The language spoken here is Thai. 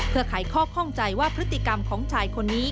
เพื่อขายข้อข้องใจว่าพฤติกรรมของชายคนนี้